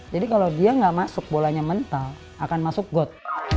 jadi kalau dia gak masuk bolanya mental akan masuk got